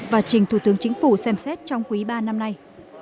và trình thủ tướng chính phủ xem xét trong quý ba năm nay